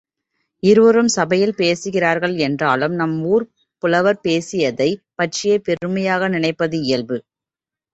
இருவரும் சபையில் பேசுகிறார்கள் என்றாலும் நம் ஊர்ப் புலவர் பேசியதைப் பற்றியே பெருமையாக நினைப்பது இயல்பு.